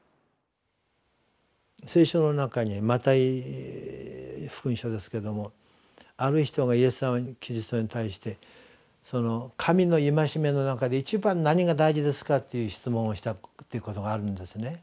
聖書の中にマタイ福音書ですけどもある人がイエス・キリストに対して「神の戒めの中で一番何が大事ですか？」という質問をしたっていうことがあるんですね。